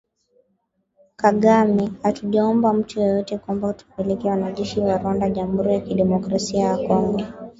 Kagame: Hatujaomba mtu yeyote kwamba tupeleke wanajeshi wa Rwanda Jamuhuri ya Kidemokrasia ya Kongo